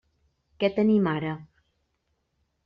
Què tenim ara?